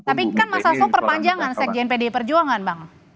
tapi kan mas asto perpanjangan sek jnpd perjuangan bang